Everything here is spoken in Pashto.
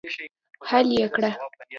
حل یې کړه.